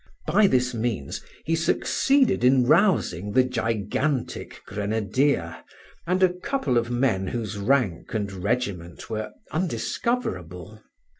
By this means he succeeded in rousing the gigantic grenadier and a couple of men whose rank and regiment were undiscoverable.